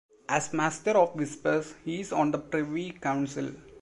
As Master of Whisperers he is on the privy council.